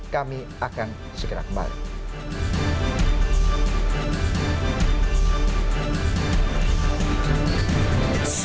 kami akan segera kembali